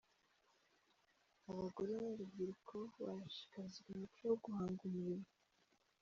Abagore n’urubyiruko barashishikarizwa umuco wo guhanga umurimo